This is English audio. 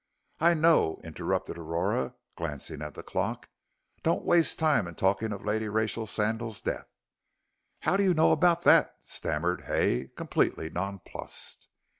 "I know," interrupted Aurora, glancing at the clock, "don't waste time in talking of Lady Rachel Sandal's death " "How do you know about that?" stammered Hay, completely nonplussed.